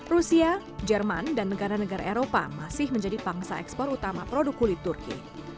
rusia jerman dan negara negara eropa masih menjadi pangsa ekspor utama produk kulit turki